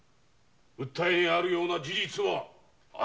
訴えにあるような事実はあり申さぬ。